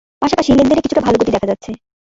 পাশাপাশি লেনদেনে কিছুটা ভালো গতি দেখা যাচ্ছে।